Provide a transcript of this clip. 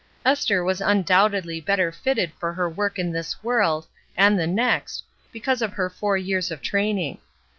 Esther was undoubtedly better fitted for her work in this world and the next because of her four years of training.